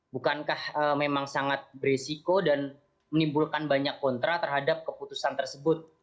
bukankah memang sangat beresiko dan menimbulkan banyak kontra terhadap keputusan tersebut